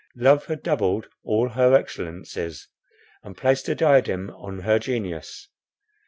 Love had doubled all her excellencies, and placed a diadem on her genius.